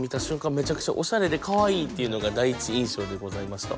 めちゃくちゃおしゃれでかわいいっていうのが第一印象でございました。